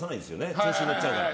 調子に乗っちゃうから。